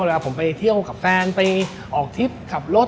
เวลาผมไปเที่ยวกับแฟนไปออกทริปขับรถ